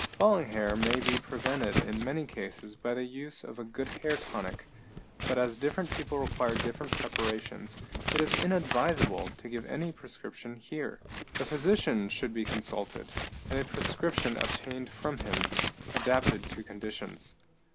Falling hair may be prevented in many cases by the use of a good hair tonic, but as different people require different preparations, it is inadvisable to give any prescription here. A physician should be consulted, and a prescription obtained from him, adapted to conditions.